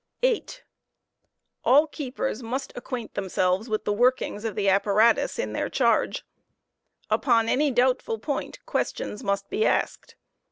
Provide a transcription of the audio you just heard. S, All keepers must acquaint themselves with the workings of the apparatus in ^To^bo^coaver their charge. Upon any doubtful point questions must be asked.